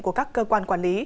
của các cơ quan quản lý